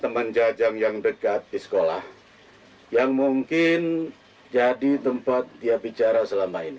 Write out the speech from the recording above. teman jajang yang dekat di sekolah yang mungkin jadi tempat dia bicara selama ini